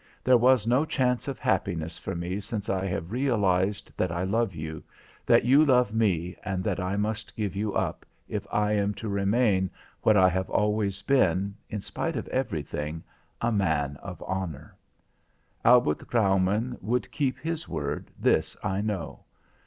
There was no chance of happiness for me since I have realised that I love you, that you love me, and that I must give you up if I am to remain what I have always been in spite of everything a man of honour. Albert Graumann would keep his word, this I know.